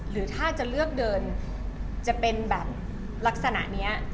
หรือถ้าจะเลือกเดินจะเป็นแบบลักษณะนี้